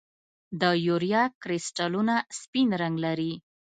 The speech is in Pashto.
د یوریا کرسټلونه سپین رنګ لري.